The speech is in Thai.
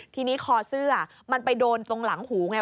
ทีนี้คอเสื้อมันไปโดนตรงหลังหูไง